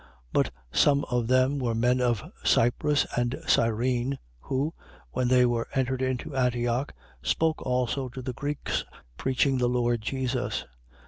11:20. But some of them were men of Cyprus and Cyrene, who, when they were entered into Antioch, spoke also to the Greeks, preaching the Lord Jesus.